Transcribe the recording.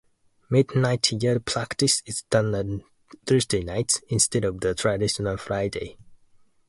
Midnight Yell Practice is done on Thursday nights instead of the traditional Friday.